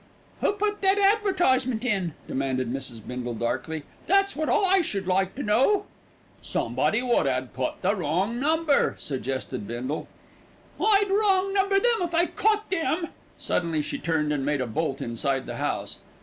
"Who put that advertisement in?" demanded Mrs. Bindle darkly. "That's what I should like to know." "Somebody wot 'ad put the wrong number," suggested Bindle. "I'd wrong number them if I caught them." Suddenly she turned and made a bolt inside the house.